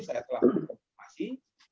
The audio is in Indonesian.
saya telah informasi